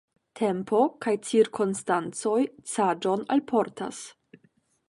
Tempo kaj cirkonstancoj saĝon alportas.